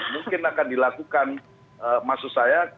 mungkin akan dilakukan maksud saya